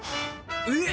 えっ！